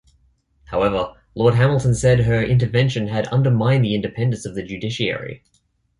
However Lord Hamilton said her intervention had undermined the independence of the judiciary.